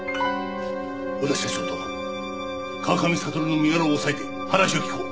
小田社長と川上悟の身柄を押さえて話を聞こう。